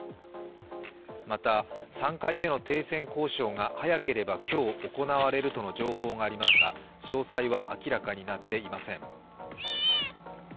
また、３回目の停戦交渉が早ければ今日行われるとの情報がありますが詳細は明らかになっていません。